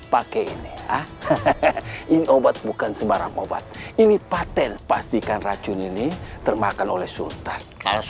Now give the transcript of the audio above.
pakai ini obat bukan sembarang obat ini patent pastikan racun ini termakan oleh sultan